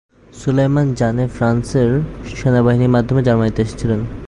সোলায়মান জানে ফ্রান্সের সেনাবাহিনীর মাধ্যমে জার্মানিতে এসেছিলেন।